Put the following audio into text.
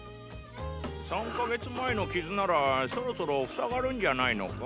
３か月前の傷ならそろそろふさがるンじゃないのか。